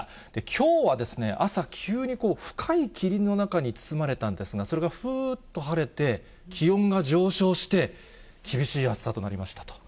きょうはですね、朝急に深い霧の中に包まれたんですが、それがふーっと晴れて、気温が上昇して、厳しい暑さとなりましたと。